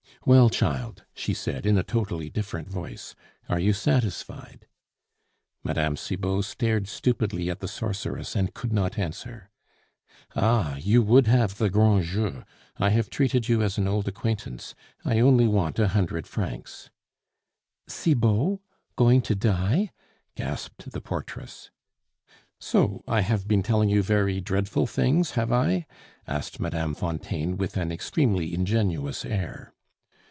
"Well, child," she said, in a totally different voice, "are you satisfied?" Mme. Cibot stared stupidly at the sorceress, and could not answer. "Ah! you would have the grand jeu; I have treated you as an old acquaintance. I only want a hundred francs " "Cibot, going to die?" gasped the portress. "So I have been telling you very dreadful things, have I?" asked Mme. Fontaine, with an extremely ingenuous air.